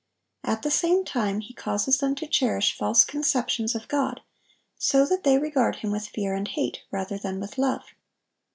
At the same time he causes them to cherish false conceptions of God, so that they regard Him with fear and hate, rather than with love.